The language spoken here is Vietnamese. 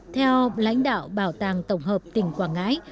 theo lãnh đạo bảo tàng tổng hợp tỉnh quảng ngãi